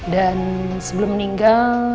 dan sebelum meninggal